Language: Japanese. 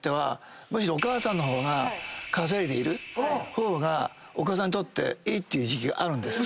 むしろお母さんが稼いでいる方がお子さんにとっていいっていう時期があるんです。